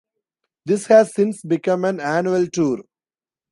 This has since become an annual tour.